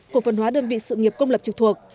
cổ phần hóa đơn vị sự nghiệp công lập trực thuộc